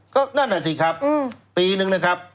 ก็นั่นน่ะสิครับปีนึงนะครับ